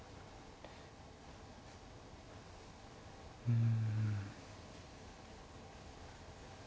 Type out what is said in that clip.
うん。